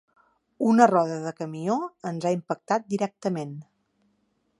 Una roda de camió ens ha impactat directament.